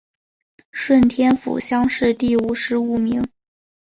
顺天府乡试第五十五名。